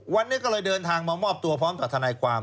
วันนี้ก็เลยเดินทางมามอบตัวพร้อมกับทนายความ